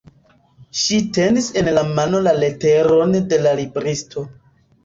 Ŝi tenis en la mano la leteron de la libristo.